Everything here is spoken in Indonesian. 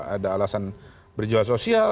ada alasan berjual sosial